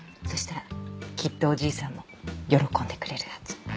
そしたらきっとおじいさんも喜んでくれるはず。